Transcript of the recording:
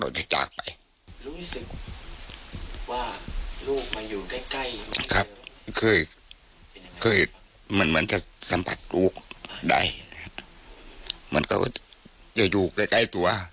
รู้สึกว่าลูกมาอยู่ใกล้ครับคือมันจะสัมผัสลูกได้มันก็จะอยู่ใกล้ตัว